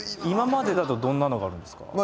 今までだとどんなのがあるんですか？